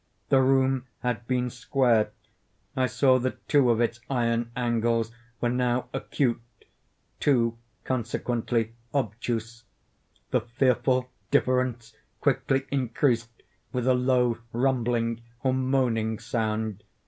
The room had been square. I saw that two of its iron angles were now acute—two, consequently, obtuse. The fearful difference quickly increased with a low rumbling or moaning sound.